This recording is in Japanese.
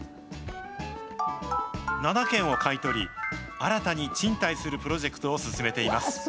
７軒を買い取り、新たに賃貸するプロジェクトを進めています。